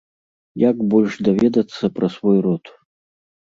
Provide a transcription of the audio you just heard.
Як больш даведацца пра свой род?